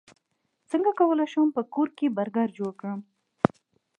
څنګه کولی شم په کور کې برګر جوړ کړم